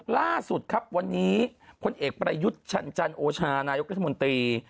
ล่าสุดครับวันนี้พลเอกประยุทธ์จันโอชานายกรัฐมนตรี